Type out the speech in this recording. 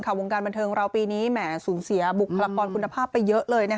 ข่าววงการบรรเทิงเราปีนี้สูญเสียบุกพลักษณ์คุณภาพไปเยอะเลยนะคะ